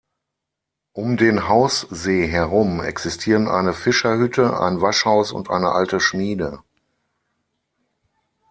Um den Haussee herum existieren eine Fischerhütte, ein Waschhaus und eine alte Schmiede.